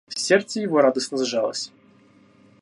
Сердце его радостно сжалось.